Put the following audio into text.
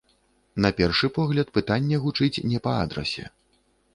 На першы погляд, пытанне гучыць не па адрасе.